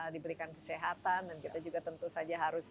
diberikan kesehatan dan kita juga tentu saja harus